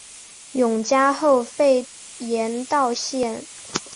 永嘉后废严道县。